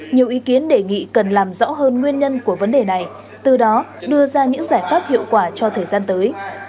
nhiều ý kiến đề nghị cần làm rõ hơn nguyên nhân của vấn đề này từ đó đưa ra những giải pháp hiệu quả cho thời gian tới